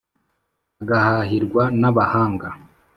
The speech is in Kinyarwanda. agahahirwa n'abahanga